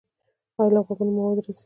ایا له غوږونو مو مواد راځي؟